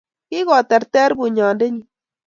Kigoterter bunyondennyu